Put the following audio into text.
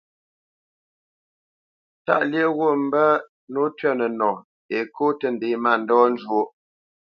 Tâʼ lyéʼ wút mbə́ nǒ twɛ̂p nənɔ Ekô tə́ ndě mándɔ njwóʼ.